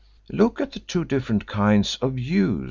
Look at the two different kinds of 'U's.'"